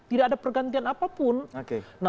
tidak ada pergantian apapun